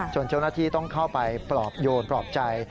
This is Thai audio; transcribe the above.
เจ้าหน้าที่ต้องเข้าไปปลอบโยนปลอบใจ